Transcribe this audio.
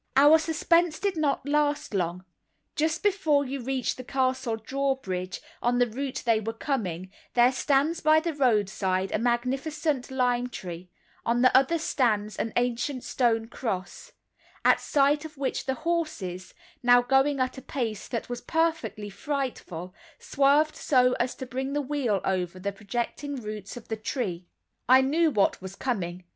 Our suspense did not last long. Just before you reach the castle drawbridge, on the route they were coming, there stands by the roadside a magnificent lime tree, on the other stands an ancient stone cross, at sight of which the horses, now going at a pace that was perfectly frightful, swerved so as to bring the wheel over the projecting roots of the tree. I knew what was coming.